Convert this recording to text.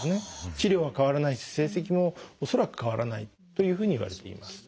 治療は変わらないし成績も恐らく変わらないというふうにいわれています。